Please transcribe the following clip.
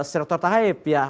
serta taib ya